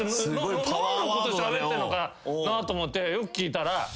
何のことしゃべってんのかなと思ってよく聞いたら。